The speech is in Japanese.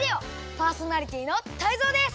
パーソナリティーのタイゾウです！